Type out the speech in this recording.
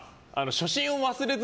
初心を忘れず！